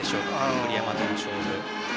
栗山との勝負。